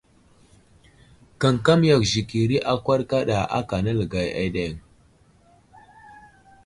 Kamkam yakw zəkiri akwar kaɗa aka nələgay aɗeŋ.